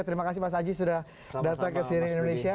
terima kasih mas aji sudah datang ke cnn indonesia